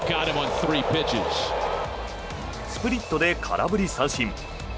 スプリットで空振り三振。